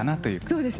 そうですね。